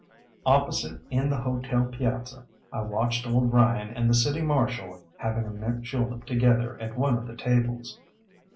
Opposite in the hotel piazza I watched old Ryan and the City Marshal having a mint julep together at one of the tables.